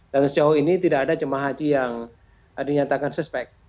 dan sejauh ini tidak ada jemaah haji yang dinyatakan suspek